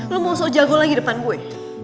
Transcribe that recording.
lo mau so jago lagi depan gue